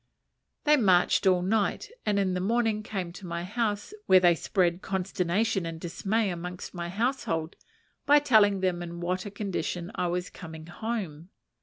They marched all night, and in the morning came to my house, where they spread consternation and dismay amongst my household by telling them in what a condition I was coming home.